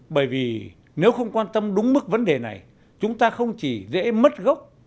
bởi vì nếu không quan tâm đúng mức vấn đề này chúng ta không chỉ dễ mất gốc